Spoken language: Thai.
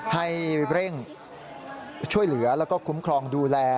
ให้เร่งช่วยเหลือแล้วก็คุ้มครองดูแล